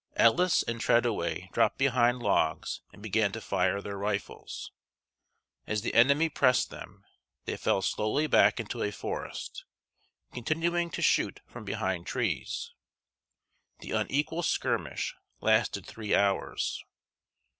Ellis and Treadaway dropped behind logs and began to fire their rifles. As the enemy pressed them, they fell slowly back into a forest, continuing to shoot from behind trees. The unequal skirmish lasted three hours.